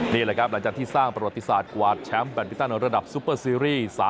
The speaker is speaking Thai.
นี่หลังจากที่สร้างปฏิสารกวาดแชมป์แบตบิตัลระดับซุปเปอร์ซีรีส์